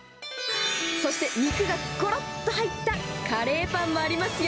そして肉がごろっと入ったカレーパンもありますよ。